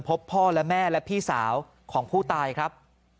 พบพ่อและแม่และพี่สาวของผู้ตายครับ